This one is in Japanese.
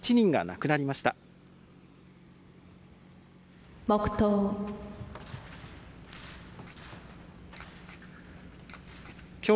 黙とう。